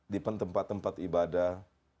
di tempat tempat ibadah